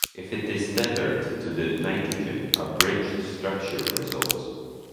If it is tethered to the nitrogen, a bridged structure results.